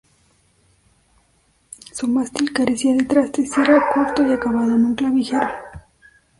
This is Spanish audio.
Su mástil carecía de trastes y era corto y acabado en un clavijero.